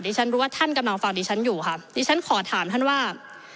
ฉันรู้ว่าท่านกำลังฟังดิฉันอยู่ค่ะดิฉันขอถามท่านว่า